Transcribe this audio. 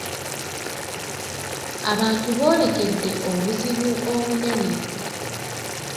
Abantu boolekedde obuzibu obunene.